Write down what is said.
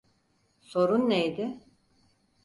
Sorun neydi?